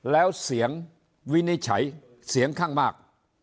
แล้วเสียงวินิจฉัยเสียงข้างมาก